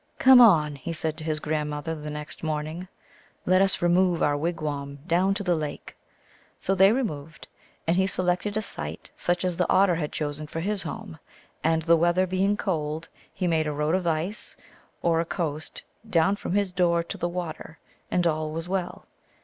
" Come on !" he said to his grandmother the next morning ;" let us remove our wigwam down to the lake." So they removed ; and he selected a site such as the Otter had chosen for his home, and the weather being cold he made a road of ice, or a coast, down from his door to the water, and all was well.